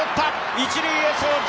一塁へ送球。